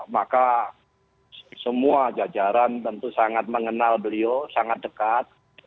maka semua jajaran tentu sangat mengenal beliau sangat dekat